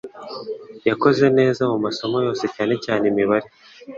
Yakoze neza mu masomo yose cyane cyane imibare